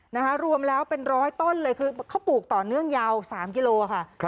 นะคะรวมแล้วเป็นร้อยต้นเลยคือเขาปลูกต่อเนื่องยาว๓กิโลค่ะ